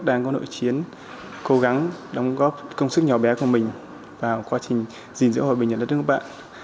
tôi có nội chiến cố gắng đóng góp công sức nhỏ bé của mình vào quá trình giữ hòa bình ở đất nước của bạn